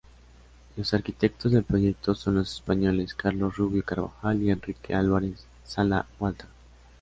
Los arquitectos del proyecto son los españoles Carlos Rubio Carvajal y Enrique Álvarez-Sala Walther.